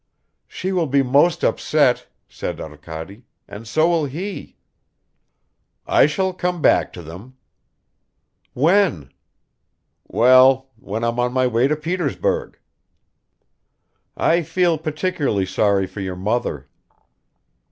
"She will be most upset," said Arkady, "and so will he." "I shall come back to them." "When?" "Well, when I'm on my way to Petersburg." "I feel particularly sorry for your mother."